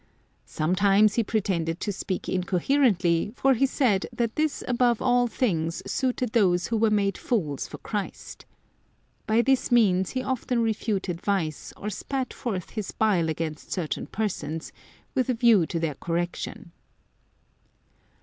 Sometimes he pretended to speak incoherently, for he said that this above all things suited those who were made fools for Christ. By this means he often refuted vice, or spat forth his bile against certain persons, with a view to their correction."